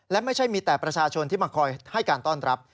และไม่ใช่มีแต่ประชาชนที่มาคอยให้การต้อนรับ